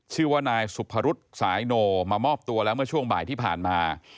ชื่อว่านายสุพรุษสายโนมามอบตัวแล้วเมื่อช่วงบ่ายที่ผ่านมา